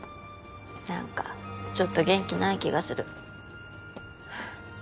何かちょっと元気ない気がする。